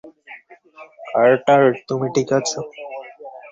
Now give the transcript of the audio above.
Carter, তুমি ঠিক আছ?